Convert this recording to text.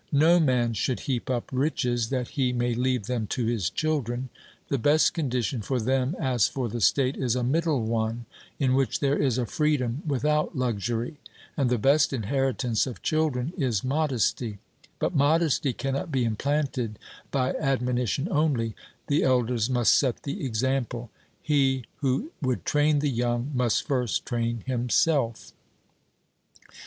No man should heap up riches that he may leave them to his children. The best condition for them as for the state is a middle one, in which there is a freedom without luxury. And the best inheritance of children is modesty. But modesty cannot be implanted by admonition only the elders must set the example. He who would train the young must first train himself.